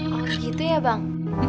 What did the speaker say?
oh gitu ya bang